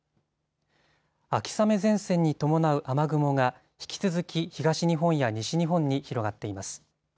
秋雨前線に伴う雨雲が引き続き東日本や西日本に広がっています。